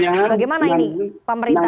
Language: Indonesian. apalagi menjelang tahun politik